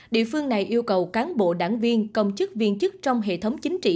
địa phương này yêu cầu cán bộ đảng viên công chức viên chức trong hệ thống chính trị